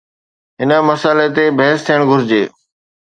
هن مسئلي تي بحث ٿيڻ گهرجي.